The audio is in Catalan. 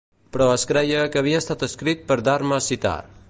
Però es creia que havia estat escrit per Dharma Citar.